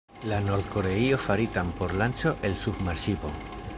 La Nord-Koreio faritan por lanĉo el submarŝipo.